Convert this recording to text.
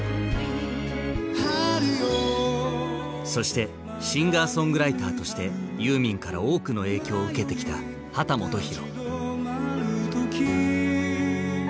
そしてシンガーソングライターとしてユーミンから多くの影響を受けてきた秦基博。